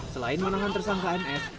selain menahan tersangka ms